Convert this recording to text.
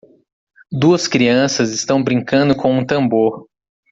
Duas crianças estão brincando com um tambor.